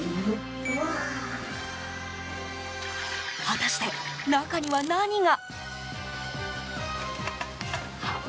果たして、中には何が。